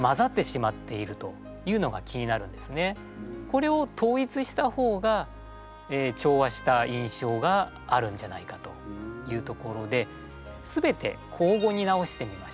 これを統一した方が調和した印象があるんじゃないかというところで全て口語に直してみました。